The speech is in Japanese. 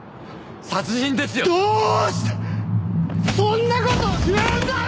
どうしてそんな事言うんだよ！